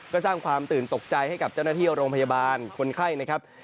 ก็สร้างความตื่นตกใจให้กับเจ้าหน้าที่โรงพยาบาลคนไข้นะครับ